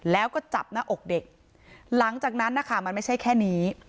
แล้วก็จับหน้าอกเด็กหลังจากนั้นนะคะมันไม่ใช่แค่นี้